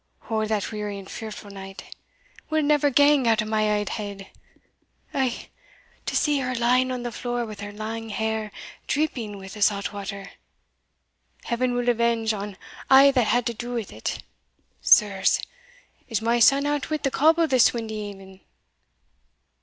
O that weary and fearfu' night! will it never gang out o' my auld head! Eh! to see her lying on the floor wi' her lang hair dreeping wi' the salt water! Heaven will avenge on a' that had to do wi't. Sirs! is my son out wi' the coble this windy e'en?"